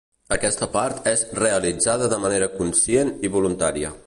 Aquesta part és realitzada de manera conscient i voluntària.